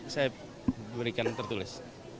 saya berikan tertulis